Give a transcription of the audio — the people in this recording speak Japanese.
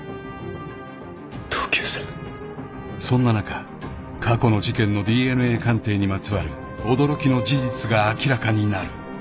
［そんな中過去の事件のＤＮＡ鑑定にまつわる驚きの事実が明らかになる］